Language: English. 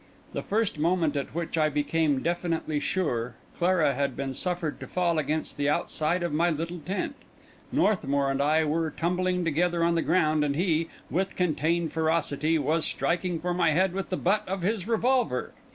The first moment at which I became definitely sure, Clara had been suffered to fall against the outside of my little tent, Northmour and I were tumbling together on the ground, and he, with contained ferocity, was striking for my head with the butt of his revolver.